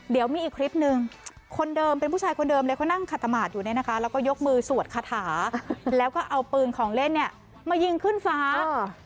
เดี๋ยวมีอีกคลิปนึงคนเดิมเป็นผู้ชายคนเดิมเลยเขานั่งขัดตมาตรอยู่เนี่ยนะคะแล้วก็ยกมือสวดคาถาแล้วก็เอาปืนของเล่นเนี่ยมายิงขึ้นฟ้า